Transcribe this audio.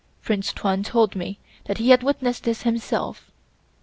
Prince Tuan told me that he had witnessed this himself.